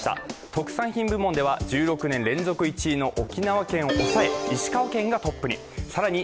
特産品部門では１６年連続１位だった沖縄県を抑え石川県がトップに。